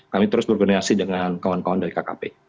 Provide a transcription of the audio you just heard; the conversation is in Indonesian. kami terus berkoordinasi dengan kawan kawan dari kkp